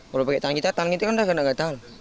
kalau pakai tangan kita tangan kita kan udah kena gatel